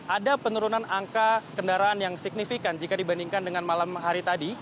ada penurunan angka kendaraan yang signifikan jika dibandingkan dengan malam hari tadi